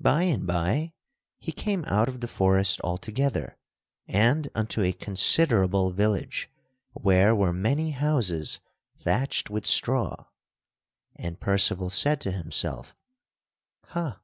By and by he came out of the forest altogether and unto a considerable village where were many houses thatched with straw. And Percival said to himself: "Ha!